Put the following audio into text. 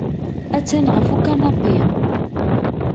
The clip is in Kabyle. Attan ɣef ukanapi.